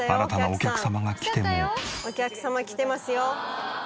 「お客様来てますよ」